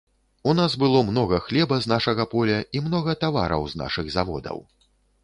У нас было многа хлеба з нашага поля і многа тавараў з нашых заводаў.